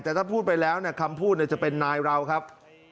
แต่ถ้าพูดไปแล้วคำพูดจะเป็นนายเราครับ